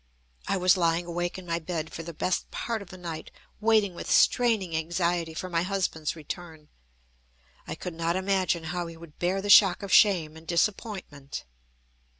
I was lying awake in my bed for the best part of the night, waiting with straining anxiety for my husband's return. I could not imagine how he would bear the shock of shame and disappointment.